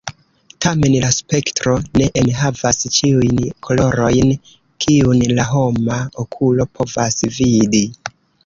Tamen, la spektro ne enhavas ĉiujn kolorojn kiun la homa okulo povas vidi.